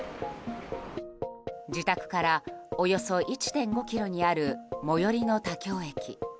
自宅からおよそ１．５ｋｍにある最寄りの田京駅。